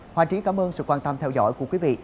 hoàng trí cảm ơn sự quan tâm theo dõi của quý vị